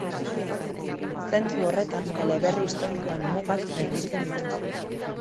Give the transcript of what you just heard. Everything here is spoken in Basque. Zentzu horretan eleberri historikoen mugak gainditzen ditu.